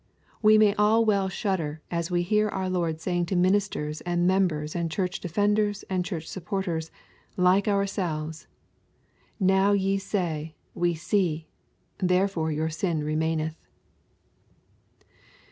We may all well shudder as we hear our Lord saying to ministers and members and church defenders and church supporters, like ourselves: 'Now ye say, We see; therefore your sin remaineth.'